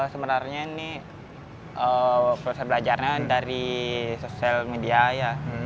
sebenarnya ini proses belajarnya dari sosial media ya